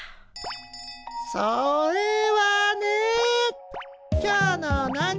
それはね。